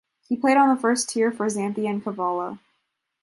He played on the first tier for Xanthi and Kavala.